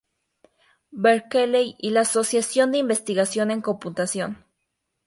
Berkeley y la Asociación de investigación en computación.